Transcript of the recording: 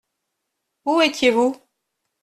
Où étiez-vous ?